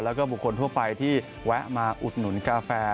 แล้วก็บุคคลทั่วไปที่แวะมาอุดหนุนกาแฟ